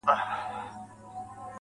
څه عجيبه جوارگر دي اموخته کړم~